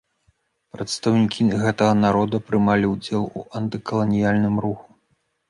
Прадстаўнікі гэтага народа прымалі ўдзел у антыкаланіяльным руху.